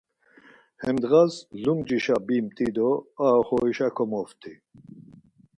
Hem ndğas lumcişa bimt̆i do ar oxorişa komopti.